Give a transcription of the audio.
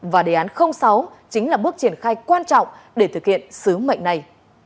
và đề án sáu chính là bước triển khai quan trọng để thực hiện sứ mệnh này